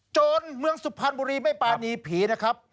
จนเมืองสุพรรณบุรีไม่ปานีผีนะครับ